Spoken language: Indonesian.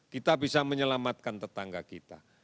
kita bisa menyelamatkan tetangga kita